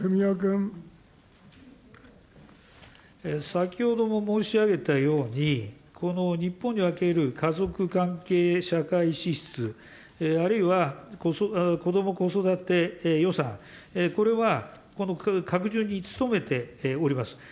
先ほども申し上げたように、この日本における家族関係社会支出、あるいはこども・子育て予算、これは拡充に努めております。